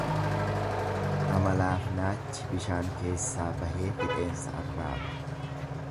Amalaaf naachi bishaan keessaa bahee fixeensa arraaba.